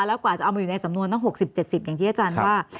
แล้วกว่าจะเอามาอยู่ในสำนวนตั้ง๖๐๗๐อย่างที่อาจารย์ว่า